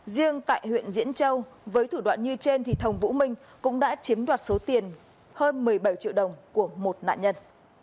riêng tại huyện diễn châu với thủ đoạn như trên thì thồng vũ minh cũng đã chiếm đoạt số tiền hơn một mươi bảy triệu đồng của một nạn nhân